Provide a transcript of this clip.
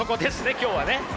今日はね。